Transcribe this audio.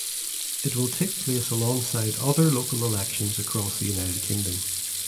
It will take place alongside other local elections across the United Kingdom.